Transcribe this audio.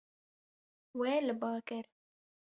Wê li ba kir.